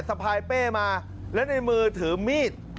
สะพายเป้มาแล้วในมือถือมีด